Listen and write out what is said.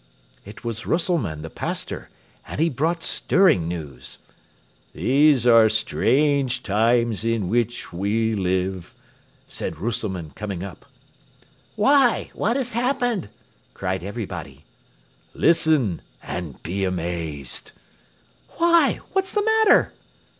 It was Rösselmann the pastor, and he brought stirring news. "These are strange times in which we live," said Rösselmann, coming up. "Why, what has happened?" cried everybody. "Listen, and be amazed." "Why, what's the matter?"